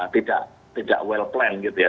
tidak well plan gitu ya